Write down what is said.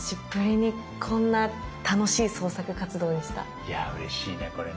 いやうれしいねこれね。